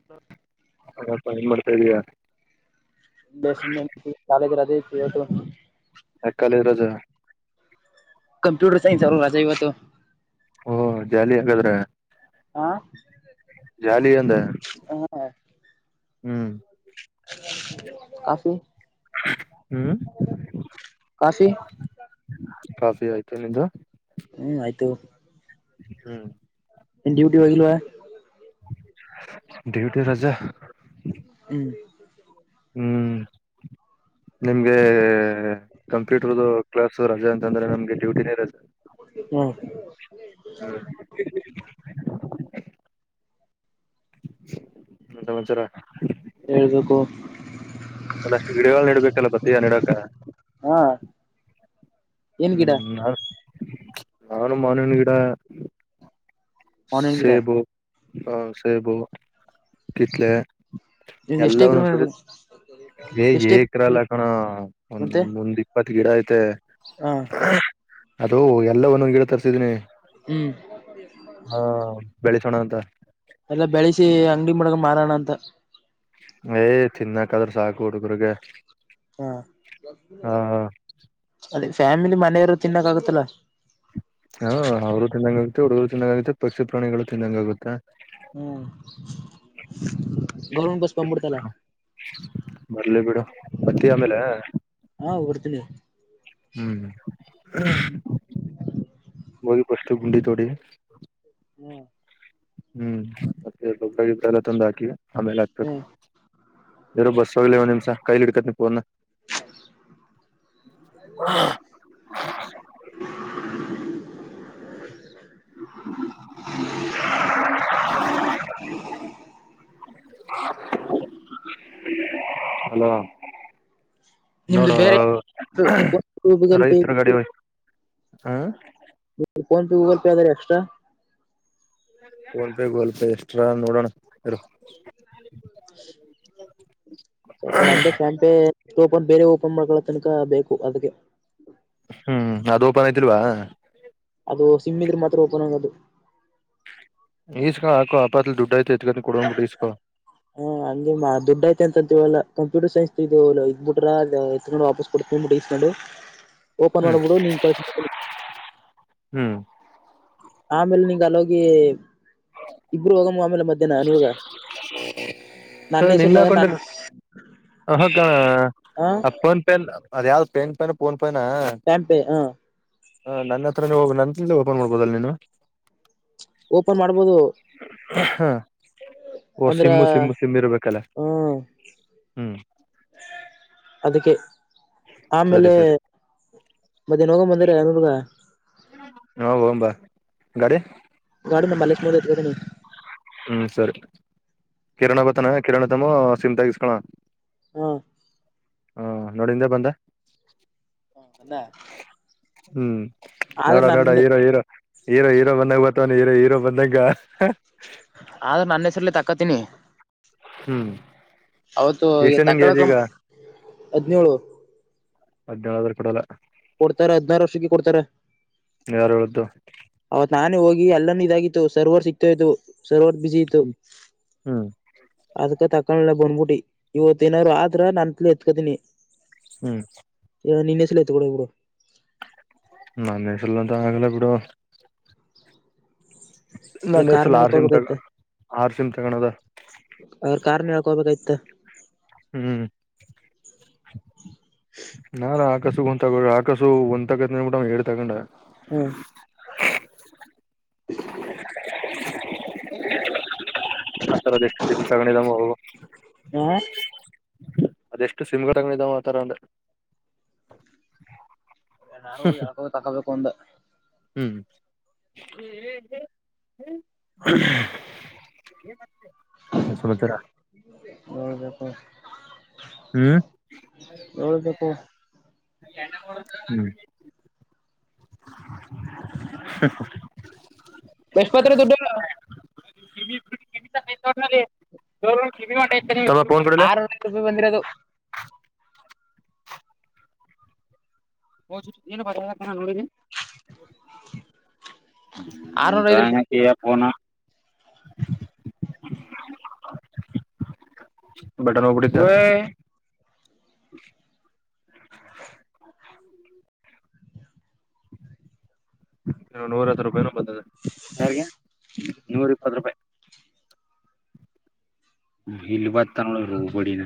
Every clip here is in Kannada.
[unintelligible] ಹಾ ಏನ್ ಮಾಡ್ತಾ ಇದೀ ಯಾ ಸುಮ್ಮನೆ [unintelligible] ಅಕ್ಕಲ ಇರೋದು ಕಂಪ್ಯೂಟರ್ ಸೈನ್ಸ್ ಅವಲ್ಲ ರಜೆ ಇವತ್ತು ಓ ಜಾಲಿ ಹಾಗಾದ್ರೆ ಹಾ ಜಾಲಿ ಅಂದ ಹ ಹ್ಮ್ ಕಾಫಿ ಹ್ಮ್ ಕಾಫಿ ಕಾಫಿ ಆಯ್ತು ನಿಮದುು ಹ್ಮ್ ಆಯ್ತು ಹ್ಮ ಡ್ಯೂಟಿಗೆ ಹೋಗಿಲ್ವಾ ಡ್ಯೂಟಿ ರಜಾ ಹ್ಮ್ ಹ್ಮ್ ನಿಮ್ಗೆ ಕಂಪ್ಯೂಟರ್ದು ಕ್ಲಾಸ್ ರಜಾ ಅಂತಂದ್ರೆ ನಮ್ಗೆ ಡ್ಯೂಟಿನೇ ರಜಾ ಹ್ಮ ಹ್ಮ [unintelligible] ಹೇಳ್ಬೇಕು ಅದಷ್ಟು ಗಿಡಗಳು ನಡ್ಬೇಕಲ್ಲ ಬತ ನೆಡಕ. ಹಾ. ಏನ್ ಗಿಡ ಹ್ಮ್ ನಾ ನಾನು ಮಾನಿನ ಗಿಡ. ಮಾವಿನ ಗಿಡ ಸೇಬು ಹ ಸೇಬು ಕೀತ್ತಲೆ. ನಿಮ್ ಎಷ್ಟ ಎಕ್ರಮ್ [unintelligible] ಏ ಏಕ್ರಲ್ಲ ಕಣೋ ಒಂದ್ ಮತ್ತೆ ಮುಂದ್ ಇಪ್ಪತ್ ಗಿಡಾ ಐತೆ ಹ ಅದೋ ಎಲ್ಲವನ್ನು ಗಿಡ ತರ್ಸಿದೀನಿ ಹ್ಮ್ ಹಾ ಬೆಳಸೋಣ ಅಂತ ಎಲ್ಲ ಬೆಳೆಸಿ ಅಂಗಡಿ ಮಡಗ ಮಾರೋಣ ಅಂತ ಏಯ್ ತಿನ್ನಾಕಾದ್ರ ಸಾಕು ಹುಡುಗ್ರಗೆ ಹಾ ಅದೇ ಫ್ಯಾಮಿಲಿ ಮನೆಯಾರ ತಿನ್ನಕ ಆಗತ್ತಲ್ಲ ಹ ಅವರು ತಿಂದಂಗ ಆಗುತ್ತೆ ಹುಡುಗರು ತಿಂದಂಗ ಆಗುತ್ತೆ ಪಕ್ಷಿ ಪ್ರಾಣಿಗಳು ತಿಂದಂಗ ಆಗುತ್ತೆ ಹ್ಮ್ ಗೋಲ್ ಗುಂಬಜ್ ಬರ್ಲಿ ಬಿಡು ಬತ್ತೀ ಆಮೇಲೆ ಹಾ ಹೊರ್ತೀನಿ ಹ್ಮ್ ಹೋಗಿ ಪಷ್ಟು ಗುಂಡಿ ತೋಡಿ ಹ್ಮ್ ಹ್ಮ್ ಮತ್ತೆ ಬಲ್ಲ ತೊಂದು ಹಾಕಿವ ಆಮೇಲೆ ಹಾಕ್ಬೇಕು ಹ್ಮ್ ಜರೋ ಬಸ್ ಹೋಗ್ಲಿ ನಿಮ್ಸ ಕೈಲಿ ಇಡ್ಕತ್ ನೀ ಪೋನ್ನ [unintelligible] [unintelligible] ಹಲೋ ನಿಮ್ದು ನೋಡೋ ಬೇರೆ ಗೂಗಲ್ ಪೇ ರೈತ್ರ ಗಾಡಿವೈ ಹಾ. ಫೋನ್ಪೇ ಗೂಗಲ್ ಪೇ ಅದಾರಿ extra. PhonePe Google Pay extra ಅದಾ ಏನ್ ನೋಡೋಣ ಇಡು. [unintelligible] [unintelligible] ಸ್ವಲ್ಪ ನಂದೇ ಫೋನ್ಪೇ ಓಪನ್ ಬೇರೆ ಓಪನ್ ಮಾಡ್ಕೊಳ್ಳ ತನಕ ಬೇಕು ಅದಕ್ಕೆ. ಹ್ಮ್ ಅದು ಓಪನ್ ಐತಿಲ್ವಾ. ಅದು ಸಿಮ್ಮ್ ಇದ್ರ ಮಾತ್ರ ಓಪನ್ ಆಗೋದು. ಇಸ್ಕೋ ಹಾಕು ಆಪ ಅತ್ ದುಡ್ ಐತೆ ಇಟಗಟೆ ಕೊಡುವಕೆ ಇಸ್ಕೋ ಹಾ ಹಂಗೆ ಮಾ ದ ಡ್ಡಯತೆ ಅಂತೀವಲ್ಲ ಕಂಪ್ಯೂಟರ್ ಸೈನ್ಸ್ ಇದು ಇದ್ ಬಿಟ್ರ ಎತ್ಕೊಂಡು ವಾಪಸ್ ಕೊಡ್ಕೊಂಡ ಬಿಟ ಈಸ್ಕೊಂಡು [unintelligible] ಓಪನ್ ಮಾಡ್ಬಿಡು ನೀ ಕಳ್ಸ. ಹ್ಞ ಆಮೇಲೆ ನಿನ್ಂಗ ಅಲ ಹೋಗಿ ಇಬರು ಹೋಗಮ್ಮ ಆಮೇಲೆ ಮಧ್ಯಾಹ್ನ ಅನುಗ್ ಸ ನಿನ್ನ ಹಾಕೊಂಡ ಹಕ್ಕ ಹ ಆಪ್ಪೋನ್ ಪೇ ಅದ ಯಾವ್ದ್ ಪೆನ್ಕಾರ್ಡ್ ಪೋನಪೇ ನಾ ಟ್ಯಾಂಪೆ ಹ ಹಾ ನನ್ನ ಹತ್ರ ಹೊ ನನ್ನ ಓಪನ್ ಮಾಡ್ಬೋದಲ್ಲ ನೀವು ಓಪನ್ ಮಾಡ್ಬೋದು ಹಾಹ್ ಓ ಅಂದ್ರ ಸಿಮ್ಮು ಸಿಮ್ಮು ಸಿಮ್ಮು ಇರ್ಬೇಕಲ್ಲ ಹ್ಮ ಹ್ಮ್. ಅದಕ್ಕೆ ಸರಿ ಆಮೇಲೆ ಸರಿ [unintelligible] ಹಾ ಹೋಗನ ಬಾ ಗಾಡಿ ಗಾಡಿ ನಮ್ ಮಲ್ಲೇಶ್ ಮಾವದ ಏತಕೊಂಡಿನಿ. ಹ್ಮ್ ಸರಿ ಕಿರಣ ಬರ್ತನ ಕಿರಣ ತಮ್ಮ ಸಿಮಂತಾಗ ಇಸ್ಕೋಲೋನ. ಹ್ಮ ಹಾ ನೋಡ ಇಲ್ಲೆ ಬಂದ. ಹ ಹ್ಮ್ ನೋಡೋ ನೋಡು ನನ್ನ ಹೀರೋ ಹೀರೋ ಹೀರೋ ಹೀರೋ ಬಂದಾಗ ಬರ್ತಾನೆ ಹೀರೋ ಹೀರೋ ಬಂದಂಗ ಆದ್ರ ನನ್ನ ಹೆಸರ್ಲ್ಲಿ ತಕೋತೀನಿ ಹ್ಮ್ ಅವತ್ತು ಎಷ್ಟ ನಿಂಗ ಏಜ್ ತಕ್ಕಳಕ ಈಗ ಹದ್ನೇಳು ಹದಿನೇಳು ಅಂದ್ರ ಕೊಡಲ್ಲ. ಕೊಡ್ತಾರ ಹದ್ನಾರು ವರ್ಷಕ್ಕೆ ಕೊಡ್ತಾರ ಯಾರು ಹೇಳಿದು ಅವತ್ ನಾನೇ ಹೋಗಿ ಎಲ್ಲಾನೂ ಇದಾಗಿತ್ತು ಸರ್ವರ್ ಸಿಕ್ತಾಯ್ತತ್ತು ಸರ್ವರ್ ಬಿಸಿ ಇತ್ತು ಹ್ಮ್ ಅದಕ ತಕಳಲ್ಲದ ಬಂದ್ಬಿಟ್ಟಿ ಇವತ್ತ ಏನಾರು ಆದ್ರ ನನ್ತ್ ಎತ್ಕತನಿ ಹ್ಮ್ ಯ ನಿನ್ನ ಹೆಸರಲೆ ತೊಗೊಂಡ್ ಹೋಗ್ಬಿಡು ನನ್ನ ಹೆಸ್ರಲ ಅಂತು ಆಗಲ್ಲಾ ಬಿಡು ಇಲ್ಲ ನಾನ್ ಕಾರ್ನ ಹೆಸ್ರಲ್ ಆರ್ ಸಿಮ್ ಹೇಳ್ಕೊಬೇಕಾಯ್ತ ತಗ ಆರ್ ಸಿಮ್ ತಗಣದ ಅವ್ರ ಕಾರನ ಹಳ್ಕೋಬೇಕಾಯ್ತ್ ಹ್ಮ್ ನಾನ್ ಆಕಸುಗ ಒಂದ್ ತಗೋ ಆಕಸು ಒಂದ್ ತಗತಿನ್ನಂದ್ ಅವನ್ ಏರಡ್ ತಗೊಂಡ್ ಹ್ಮ [unintelligible] ಆ ತರದ್ ಎಷ್ಟ ಸಿಮ್ ತಗಂಡಿದಾವೊ ಹಾ ಅದೆಷ್ಟು ಸಿಮ್ಗಳ್ ತಗಂಡಿದಾನೋ ಆತರ ಅಂದೆ ನಾನು ಹೋಗಿ ಎಳ್ಕೋ ತಕೋಬೇಕ್ ಒಂದ್ ಹ್ಮ್ [unintelligible] ಹ್ಮ್ ನಾ ವಲೇಪ್ ಹ್ಮ್ ಹ್ಮ್ [inaudible] ಹು ಎಷ್ಟಪತ್ರ ದುಡ್ಡು [unintelligible] ಹಲೋ ಆರ್ [unintelligible] ಬಂದಿರದು [unintelligible] ಏನು ಬರಲ್ಲ ಕಣ್ಣ ನೋಡಿನಿ ಆರ್ನೂರ ಐದ್ ರೂಪಾಯಿ [unintelligible] ಫೋನ್ ಬಟನ್ ಹೊಬುಟ್ಟಿತ್ ನೂರ ಹತ್ತ್ ರೂಪಾಯನೂ ಬತ್ತದೆ [inaudible] ಇಲ್ಲಿ ಬತ್ತ ನೋಡನ್ನ ಓಬಿಡಿನ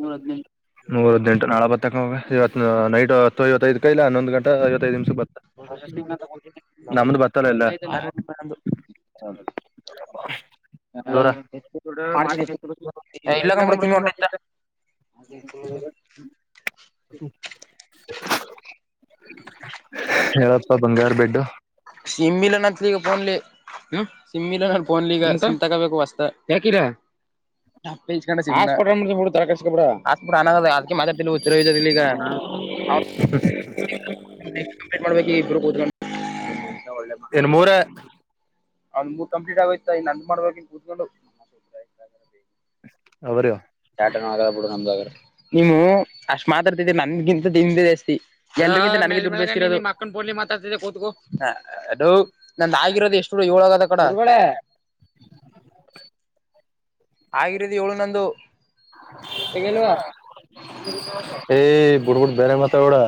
ನೂರ ಹದ್ನೆಂಟ ನೂರ ಹದ್ನೆಂಟ ನಾಳೆ ಬತ್ತ ತಕೋಗ ಇವತ್ತ್ ನೈಟ್ ಹತ್ತೈವತ್ತೈದಕ್ ಇಲ್ಲ ಹನ್ನೊಂದ್ ಗಂ ಹತ್ತ್ ಐವತ್ತೈದ್ ನಿಮ್ಸಕ ಬತ್ತದ್ ನಮ್ದು ಬತ್ತಲ್ಲ ಎಲ್ಲ ಹ ದೂರ ಮಾಡ್ತೀನಿ ಎ ಇಲ್ಲ [unintelligible] ಹಾಗೈತ ನೋಡು ಹೇಳಪ್ಪಾ ಬಂಗಾರ ಬೆಡ್ಡು ಸಿಮ್ ಇಲ ನತಲಿಗ ಪೋನ್ಲಿ ಹ್ಮ ಸಿಮ್ ಇಲ್ಲ ನನ್ನ ಫೋನ್ನ್ಲಿಗ ಸಿಮ್ ತಗೋಬೇಕು ವಸ್ತದ್ ಯಾಕಿಲ್ಲ ಹಾಟ್ಸ್ಪಾಟ್ ಆನ್ ಮಾಡತ್ತಿವ ಬಿಡು ತಲೆ ಕೆಡಿಸ್ಕೋಬೇಡ ಹಾಟ್ಸ್ಪಾಟ್ ಆನ್ ಆಗಲ್ಲ ಮಾತ್ ಆಡುತ್ತಿಲ್ಲವ್ [unintelligible] ಕಂಪ್ಲೀಟ್ ಮಾಡ್ಬೇಕ ಇಬರು ಕೂತ್ಕೊಂಡ ಎಂಥಾ ಒಳ್ಳೆ ಮಗ್ [unintelligible] ಇಬ್ರ್ ಅವನದ್ ಮೂರ್ ಕಂಪ್ಲೀಟ್ ಆಗೊತ ಇನ್ನ ನಂದ್ ಮಾಡ್ಬೇಕ ಕೂತ್ಕೊಂಡು ಊಟ ಆಯ್ತಾ ಹೌ ಆರ್ ಯು ನೀವು ಅಷ್ಟ್ ಮಾತ ಆಡತಿದ್ರಿ ನಂದಗಿಂತ ನಿಮ್ದೆ ಜಸ್ತಿ ಬೆಳ್ ಬೆಳಿಗ್ಗೆ ನಿಮ್ ಅಕ್ಕನ ಬೂಲಿ ಮಾತಾಡ್ತಿದ್ದೀಯಾ ಕೂತ್ಕು [unintelligible] ನಂದ ಆಗಿರೋದು ಎಷ್ಟು ಏಳಾಗದ ಕಡ ಗುರಗಳೇ ಆಗಿರದೆ ಏಳು ನಂದು ಏ ಬುಡು ಬುಟ್ ಬೇರೆ ಮಾತಾಡಬುಡ್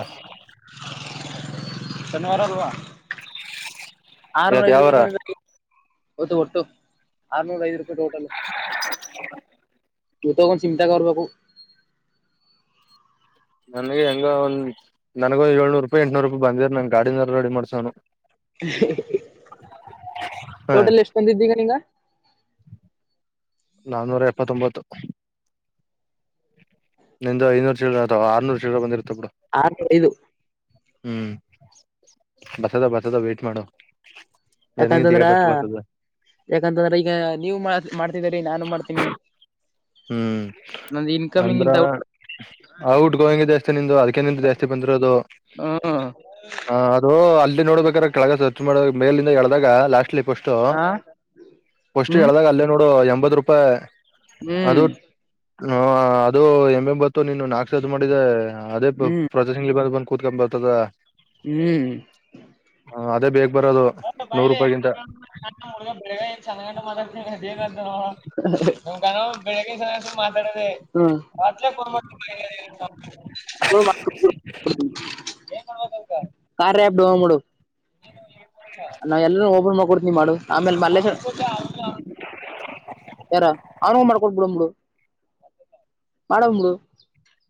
ಶನಿವಾರ ಲೊ ಆರ್ನೂರ ಇವತ್ ಐದ್ ಯಾವಾರ ರೂಪಾಯಿ ಒತ್ತು ಕೊಟ್ಟು ಆರ್ನೂರ್ ಐದ್ ರೂಪಾಯಿ ಟೋಟಲ್ [inaudible] ಚೋಟೋಗ್ ಒಂದ್ ಸಿಮ್ ತಗೊಂಡ್ ಬರಬೇಕು ನನಗೆ ಹೆಂಗ ಒಂದ್ [inaudible] ನನಗ ಏಳ್ನೂರು ರೂಪಾಯಿ ಏಟ್ನೂರು ರೂಪಾಯಿ ಬಂದಿರ ನನ್ ಗಾಡಿನಾರ ರೆಡಿ ಮಾಡ್ಸೋನು. [unintelligible] ಹ ಟೋಟಲ್ ಎಷ್ಟ ಬಂದಿದ್ದೀಗ ನಿಂಗ. ಆರನ್ನೂರ ಎಪ್ಪತ್ತೊಂಬತ್ತು. ನಿಂದು ಐನೂರು ಚಿಲ್ಡ್ರ ಆಯ್ತಾ ಆರುನೂರು ಚಿಲ್ಡ್ರ ಬಂದಿರುತ್ತೆ ಬಿಡ. ಆರನೂರ ಐದು ಹ್ಮ್ ಬರ್ತದ ಬರ್ತದ ಅದ ವೇಟ ಮಾಡು ನನಗ ಯಾಕಂತಂದ್ರ ಡ್ರಷ್ಟು ಬರ್ತದ. ಯಾಕಂತಂದ್ರ ಈಗ ನೀವು ಮಾಡ ಮಾಡ್ತಿದರಿ ನಾನು ಮಾಡ್ತೀನಿ. ಹ್ಮ್ ಇನ್ಕಮಿಂಗ್ ಅಂದ್ರ ಇಂತ ಔಟ್ ಔಟ್ ಗೋವಿಂಗ ಜಾಸ್ತಿ ನಿಂದು ಅದಕ್ಕೆ ನಿಂದು ಜಾಸ್ತಿ ಬಂದಿರೋದು. ಹ್ಮ್ ಹ ಅದು ಅಲ್ಲಿ ನೋಡ್ಬೇಕಾರೆ ಕೆಳಗ ಸ್ವಚ್ ಮಾಡ ಮೇಲಿಂದ ಎಳದಾಗ ಲಾಸ್ಟ ಇಲ್ಲಿ ಪಸ್ಟ ಹ [inaudible] ಪಸ್ಟ್ ಹ್ಮ್ ಹೇಳ್ದಾಗ ಅಲ್ಲೇ ನೋಡು ಎಂಬತ್ ರೂಪಾಯಿ. ಅದು ಹ್ಮ್ ಹ ಅದು ಎಂಬ ಎಂಬತ್ತು ನೀನು ನಾಕ್ಸದು ಮಾಡಿದೆ ಅದೇ ಹ್ಮ್ ಇಲ್ಲಿ ಬಂದ ಬಂದು ಕೂತ್ಕೊ ಬರ್ತದ. ಹ್ಮ್. ಅದೇ ಬೇಗ ಬರೋದು ಹೆ ಬಾ ನೂರು ಇಲ್ಲೇ ರೂಪಾಯಿಗಿಂತ [unintelligible] ಏನ್ ಸಣ್ಣ ಗಂಡ ಮಾತಡತೀನಿ ಬೇಗ್ ಅಂದು ಅದೆ ಬೆಳಗ್ಗೆ ಸಾಯಂಕಾಲ ಮಾತಾಡೋದೆ ಹು ಒಟಲ್ ಕೊಡಬೇಕ [unintelligible] ಕಾರ್ಯ ಆಪ್ ಡೌವ ಮಾಡು ನಾವ ಎಲ್ಲರ ಓಬನ್ ಮಾಡ್ಕೊತ ಮಾಡು ಆಮೇಲೆ ಮಲ್ಲೇಶ್ವರ ಯಾರ [inaudible] ಆಮೇಲೆ ಮಾಡ್ಕೊಟ್ ಬಿಡುನ ಬಿಡು [inaudible] ಮಾಡನಬಿಡು.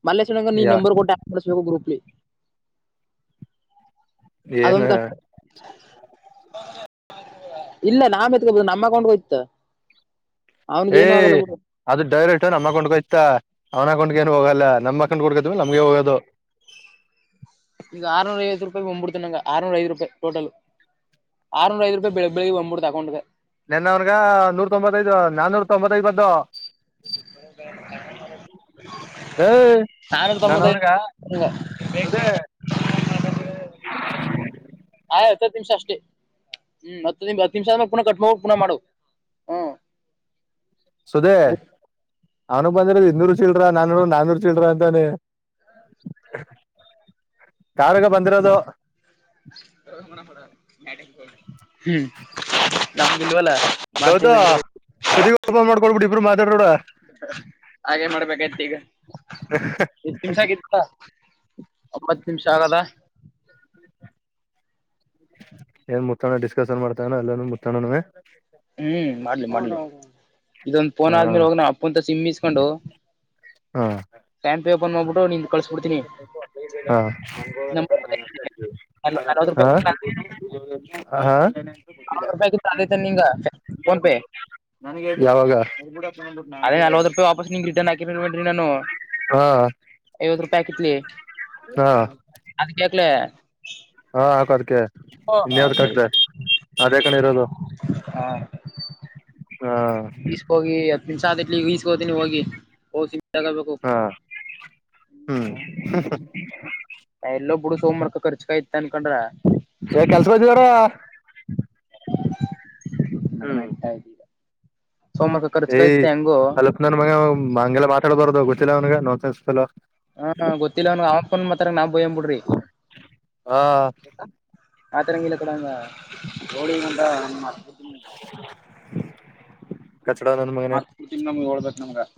ಮಲ್ಲೇಶ್ ಅಣ್ಣಗ ನೀ ಯಾ ನಂಬರ್ ಕೊಟ್ಟ ಆಡ್ ಮಡಸಬೇಕ ಗ್ರೂಪಲಿ ಏನ [unintelligible] ಇಲ್ಲ ನಾವ ಎತ್ಕಬೋದ ನಮ್ಮ ಅಕೌಂಟ ಗೆ ಹೋಯ್ತ. ಏ..... ಅದು ಡೈರೆಕ್ಟ ನಮ್ಮ ಅಕೌಂಟ್ ಓಯ್ತ ಅವನ ಅಕೌಂಟ್ ಏನ್ ಹೋಗಲ್ಲ ನಮ್ ಅಕೌಂಟ್ ಕೊಡ್ಕವಿ ನಮಗೆ ಹೋಗೋದು ಈಗ ಆರನೂರ ಐತ್ತು ರೂಪಾಯಿ ಒಂಬಬಡ್ತನಂಗ ಆರಾನೂರ ಐದ ರೂಪಾಯಿ ಟೋಟಲ್. ಆರುನೂರಾ ಐದು ರೂಪಾಯಿ ಬೆಳಗ್ ಬೆಳಿಗ್ಗೆ ಒಂಬಟ್ತ ಅಕೌಂಟ್ ಗೆ. ನೆನ್ನವರ್ಗ ನೂರ ತೊಂಬತ್ತೈದು ನಾನೂರ್ ತೊಂಬತ್ತ್ತೈದ ಬತ್ತು. [unintelligible] ಏ [unintelligible] ನಾನೂರ್ ನಾನ್ ತೊಂಬತ್ತ ಅವನ್ಗ ಐದ [unintelligible] ಸುದೆ ಹಯ್ ಹತ್ತ ಹತ್ತ ನಿಮಿಷ ಅಷ್ಟೇ [inaudible] ಹ್ಮ್ಮ್ ಮತ್ತ ಹತ್ತ ನಿಮಿಷ ಆದ್ಮಲೆ ಪುನ ಕಟ್ ಹೋಗಕ ಪುನ ಮಾಡದ ಸುಧೇ ಅವ್ನು ಬಂದರ ಇನ್ನೂರ್ ಚಿಲ್ರ ನಾನ ನಾನೂರ್ ಚಿಲ್ರ ಅಂತಾನೆ. ಕಾರಾಗ ಬಂದಿರೋದು. [unintelligible] ಹ್ಮ್ಮ್ ನಮ್ದ್ ಇಲ್ಲ್ವಾಲ್ಲ ಹೌದ [inaudible] ಸುದಿಗಪ ಮಾಡ್ಕೊಡ್ಬಿಡ್ ಇಬ್ರು ಮಾತಾಡಬಿಡ್ [inaudible] ಹಾಗೆ ಮಾಡ್ಬೇಕಾಗಿತ್ತ ಈಗ [inaudible] ಇಗ ತಿನ್ನಸಾಕ ಇತ್ತ [inaudible] ಒಂಬತ್ತ ನಿಮಿಷ ಆಗದ [inaudible] ಏನ್ ಮುುತ್ತಣ ಡಿಸ್ಕಶನ್ ಮಾಡ್ತಾನ ಎಲ್ಲಾನ ಮುುತ್ತಣನವೇ. ಹ್ಮ್ ಮಾಡ್ಲಿ ಮಾಡ್ಲಿ ಇದೊಂದ್ ಫೋನ್ ಹಾ ಆದ್ಮೇಲೆ ಹೋಗ ನಮ್ಮ ಅಪ್ಪಂತ ಸಿಮ್ಮ ಇಸ್ಕೊಂಡು. ಹಾ ಸ್ಟಂಪ್ ಪೇಪರ್ ಮಾಡಬೂಟ್ಟು ನಿಂದು ಕಳಸಬಿಡ್ತನಿ. ಹ ಹ ನಲ್ವತ್ ರೂಪಾಯಿ [unintelligible] ಹಾ ಆರುವತ್ತು ರೂಪಾಯಿಗಿತ್ತು ಆದೈತೆ ನಿಂಗ ಪೋನ್ ಪೇ ನನಗೆ ಯಾವಾಗ ಸರಿಬೂಡು ಅದೇ ನಲ್ವತ್ತು ರೂಪಾಯ್ ವಾಪಸ್ ನೀಗ್ ರಿಟನ್ ಹಾಕಿಲ್ವೇನ್ ರೀ ನಾನು ಹಾ ಐವತ್ತು ರೂಪಾಯಿ ಆಕಿತ್ಲೇ ಹಾ ಅದಕ್ಕೆ ಲೇ ಹ ಹಾಕು ಅದಕ್ಕೆ ಇನ್ನಯವುದಕ್ಕೆ ಸರಿ ಹಾಕ್ದೇ ಅದೇ ಕಣೋ ಇರೋದು. ಹ ಹಾ ಹೋಗಿ ಹತ್ತು ನಿಮಿಷ ಅದ್ತಾದ್ ಹಿಸ್ಕೋತೀನಿ ಹೋಗಿ ಹೋಗಿಮ್ ತಗೋಬೇಕು. ಹಾ ಹಾ ಹ್ಮ್ ಎಲ್ಲೋ ಬುಡು ಸೋಮವಾರ್ ಕ ಖರ್ಚು ಆಯತ್ತು ಅನ್ಕೊಂಡ್ರೆ. ಹೆ ಕೆಲಸ ಬಂದವಾರೆ ನಡಿಮೆ ಇತಾ ಇದ್ದೀಗಾ ಏಯ್ ಅಲ್ಪ್ ನನ್ ಮಗ ಹಂಗೆಲ್ಲ ಮಾತಾಡ್ಬಾರದು ಗೊತ್ತಿಲ್ಲ ಅವನಗೆ ನಾನ್ ಸೇಂಸ್ ಪೇಲೋ ಹಾ ಗೊತ್ತಿಲ್ಲ ಅವನ್ಗ ಅವಪ್ಪನ್ ಮಾತ್ರ ನಾವ್ ಬಯನ್ ಬುಡ್ರಿ ಹಾ ಆತರಂಗಿಲ ಕೂಡಂದ ಹೋಳಿ ಗೊಂಡ ನ ಕಚ್ಚಡ ನನ್ ಮಗನೆ ಕುತಿನ್ ನಮ್ಗೆ ಹಡ್ಬೇಕ್ ನಮಗ